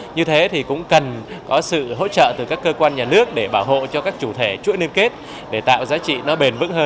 như thế thì cũng cần có sự hỗ trợ từ các cơ quan nhà nước để bảo hộ cho các chủ thể chuỗi liên kết để tạo giá trị nó bền vững hơn